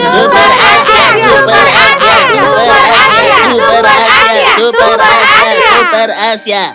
super asia super asia super asia